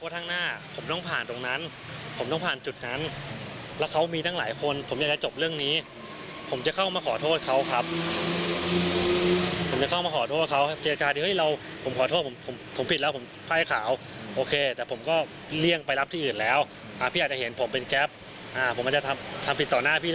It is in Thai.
แต่คุยกันทั้งนั้นเข้ามีปฐาคารมนิดนึงนะครับ